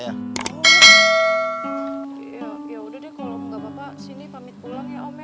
ya yaudah deh kalau gak apa apa sini pamit pulang ya om ya